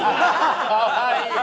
かわいい。